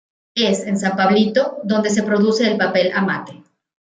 Es, en San Pablito, donde se produce el papel amate.